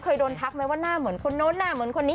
เคยโดนทักไหมว่าหน้าเหมือนคนโน้นหน้าเหมือนคนนี้